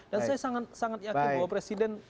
dan saya sangat yakin bahwa presiden